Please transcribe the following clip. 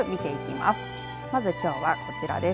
まずは、きょうはこちらです。